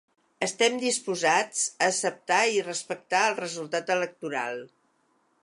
Estem disposats a acceptar i respectar el resultat electoral.